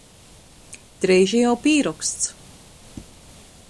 Dreiži jau pīroksts.